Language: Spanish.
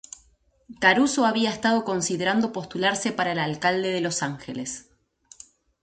Caruso había estado considerando postularse para el alcalde de Los Ángeles.